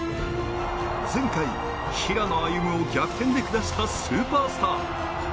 前回、平野歩夢を逆転で下したスーパースター。